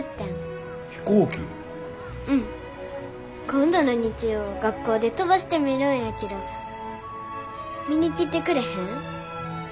今度の日曜学校で飛ばしてみるんやけど見に来てくれへん？